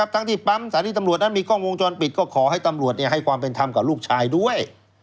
ทั้งที่ปั๊มสถานีตำรวจนั้นมีกล้องวงจรปิดก็ขอให้ตำรวจให้ความเป็นธรรมกับลูกชายด้วย